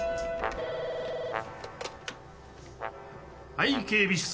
・☎はい警備室。